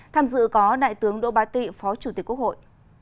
tham dự có đại tướng đỗ ba tị phó chủ tịch quốc hội